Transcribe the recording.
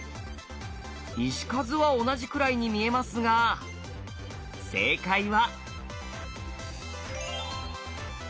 石数は同じくらいに見えますが正解は。